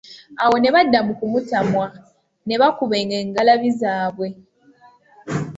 Awo ne badda mu kumutamwa, ne bakubanga engalabi zaabwe.